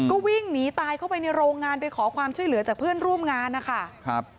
ก็วิ่งหนีตายเข้าไปในโรงงานไปขอความช่วยเหลือจากเพื่อนร่วมงานนะคะครับ